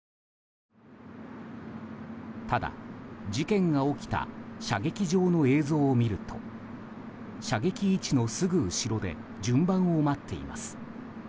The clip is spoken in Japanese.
ただ、事件が起きた射撃場の映像を見ると射撃位置のすぐ後ろで順番を待っています。